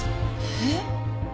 えっ？